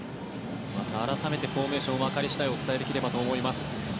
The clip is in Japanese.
また、改めてフォーメーションが分かり次第お伝えできればと思います。